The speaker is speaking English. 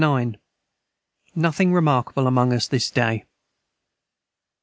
] Monday 9. Nothing remarkable among us this day.